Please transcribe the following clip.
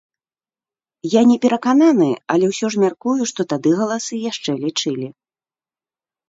Я не перакананы, але ўсё ж мяркую, што тады галасы яшчэ лічылі.